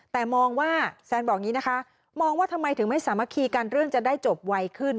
แต่มองว่าแซนบอกอย่างนี้นะคะมองว่าทำไมถึงไม่สามารถคีกันเรื่องจะได้จบไวขึ้น